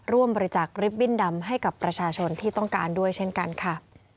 ร่วมบริจาคริบบิ้นดำให้กับประชาชนที่ต้องการด้วยเช่นกันค่ะ